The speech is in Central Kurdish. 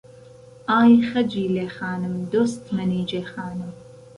ئای خهجیلێ خانم دۆست مهنیجێ خانم